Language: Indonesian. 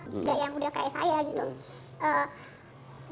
enggak yang udah kayak saya gitu